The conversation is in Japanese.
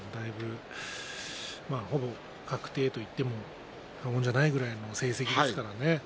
ほぼ確定といっても過言じゃないぐらいの成績ですからね。